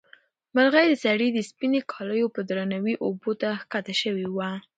مرغۍ د سړي د سپینې کالیو په درناوي اوبو ته ښکته شوې وه.